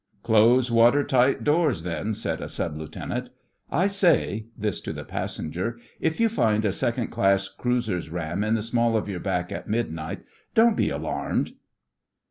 'Close water tight doors, then,' said a Sub Lieutenant. 'I say' (this to the passenger) 'if you find a second class cruiser's ram in the small of your back at midnight don't be alarmed.